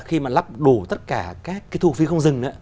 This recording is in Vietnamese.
khi mà lắp đủ tất cả các cái thu phí không dừng